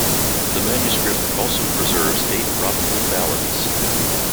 The manuscript also preserves eight Robin Hood ballads.